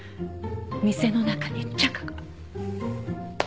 店の中にチャカが。